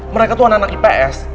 mereka tuh anak anak ips